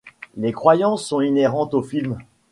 Ces croyances sont inhérentes au film.